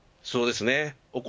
そうですね。